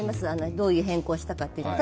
どういう変更をしたかは。